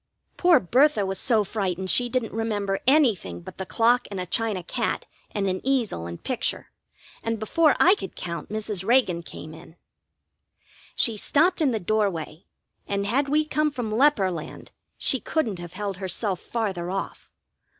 Poor Bertha was so frightened she didn't remember anything but the clock and a china cat and an easel and picture, and before I could count Mrs. Reagan came in. She stopped in the doorway, and had we come from leper land she couldn't have held herself farther off.